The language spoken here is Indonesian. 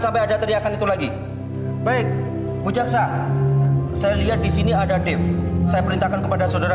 ada teriakan itu lagi baik bucaksa saya lihat di sini ada tim saya perintahkan kepada saudara